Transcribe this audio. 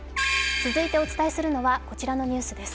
続いてお伝えするのはこちらのニュースです。